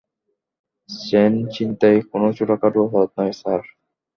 Chain ছিনতাই কোন ছোট-খাটো অপরাধ নয়, স্যার।